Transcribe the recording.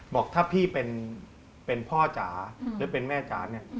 บอกถ้าพี่เป็นพ่อจ๋าหรือเป็นแม่จ๋าเนี่ย